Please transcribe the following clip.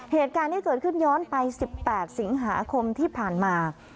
เหตุการณ์ที่เกิดขึ้นย้อนไป๑๘สิงหาคมที่ผ่านมา